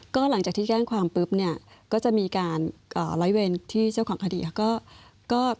ก็หลังจากที่แจ้งความปุ๊บเนี่ยก็จะมีการร้อยเวรที่เจ้าของคดีเขาก็